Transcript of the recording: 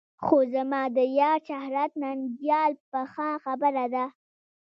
خو زما د یار شهرت ننګیال پخه خبره ده.